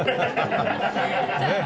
ねえ。